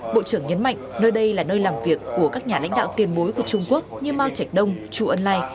bộ trưởng nhấn mạnh nơi đây là nơi làm việc của các nhà lãnh đạo tiền bối của trung quốc như mao trạch đông chu ân lai